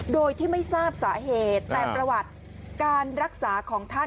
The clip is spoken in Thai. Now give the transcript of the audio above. โดยที่ไม่ทราบสาเหตุแต่ประวัติการรักษาของท่าน